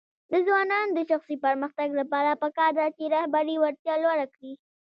د ځوانانو د شخصي پرمختګ لپاره پکار ده چې رهبري وړتیا لوړه کړي.